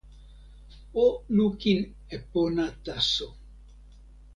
o lukin e pona taso.